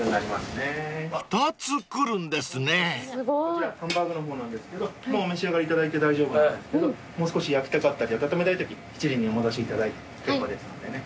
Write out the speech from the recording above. こちらハンバーグの方なんですけどもうお召し上がりいただいて大丈夫なんですけどもう少し焼きたかったり温めたいときしちりんにお戻しいただいて結構ですのでね。